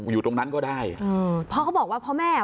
อยู่ตรงนั้นก็ได้เออเพราะเขาบอกว่าพ่อแม่อ่ะ